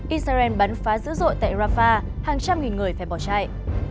israel bắn phá dữ dội tại rafah hàng trăm nghìn người phải bỏ chạy